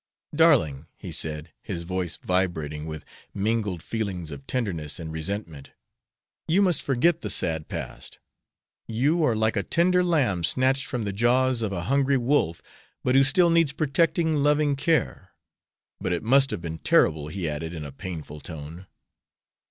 "Darling," he said, his voice vibrating with mingled feelings of tenderness and resentment, "you must forget the sad past. You are like a tender lamb snatched from the jaws of a hungry wolf, but who still needs protecting, loving care. But it must have been terrible," he added, in a painful tone.